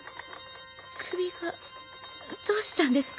首がどうしたんですか？